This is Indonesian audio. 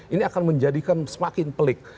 ini akan menjadikan semakin pelik